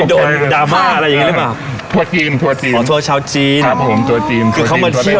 อ๋อหมายถึงอะไรครับพี่